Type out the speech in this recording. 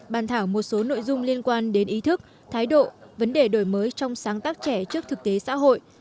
bàn thảo một số nội dung liên quan đến ý thức thái độ vấn đề đổi mới trong sáng tác trẻ trước thực tế xã hội